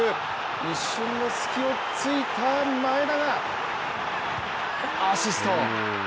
一瞬の隙を突いた前田がアシスト。